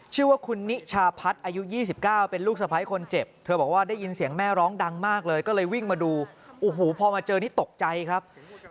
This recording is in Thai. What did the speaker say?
ชื่อว่าคุณนิชาพัทอายุ๒๙เป็นลูกสะพายคนเจ็บ